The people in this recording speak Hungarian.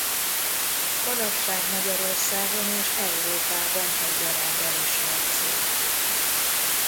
Manapság Magyarországon és Európában egyaránt elismert cég.